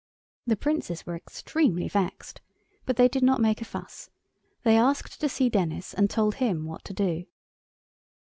The Princes were extremely vexed, but they did not make a fuss. They asked to see Denis, and told him what to do.